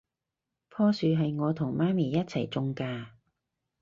樖樹係我同媽咪一齊種㗎